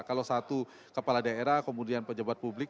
kalau satu kepala daerah kemudian pejabat publik